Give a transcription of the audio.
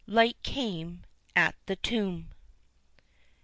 Light came at the tomb.